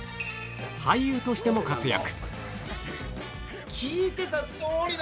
俳優としても活躍